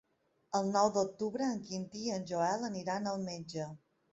El nou d'octubre en Quintí i en Joel aniran al metge.